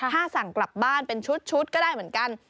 ถ้าสั่งกลับบ้านเป็นชุดก็ได้เหมือนกัน